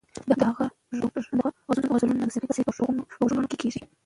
د هغه غزلونه د موسیقۍ په څېر په غوږونو کې غږېږي.